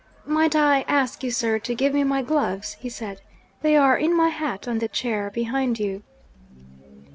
'Might I ask you, sir, to give me my gloves?' he said. 'They are in my hat, on the chair behind you.'